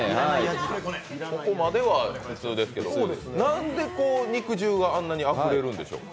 ここまでは普通ですけどなんで肉汁があんなにあふれるんでしょうか？